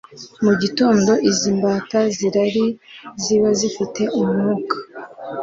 Mu gitondo, izi mbata z’irari ziba zifite umwuka